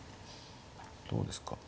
どうですか？